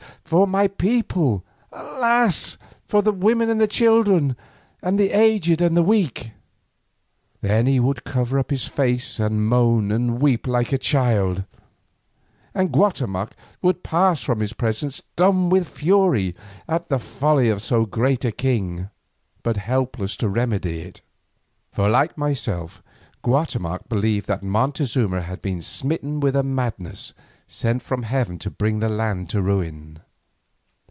for my people, alas! for the women and the children, the aged and the weak." Then he would cover his face and moan and weep like a child, and Guatemoc would pass from his presence dumb with fury at the folly of so great a king, but helpless to remedy it. For like myself, Guatemoc believed that Montezuma had been smitten with a madness sent from heaven to bring the land to ruin.